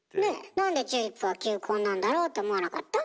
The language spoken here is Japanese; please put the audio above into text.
なんでチューリップは球根なんだろうと思わなかった？